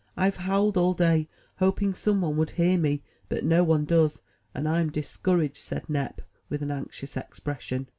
Fve howled all day, hoping some one would hear me; but no one does, and Fm discouraged,*' said Nep, with an anxious expression.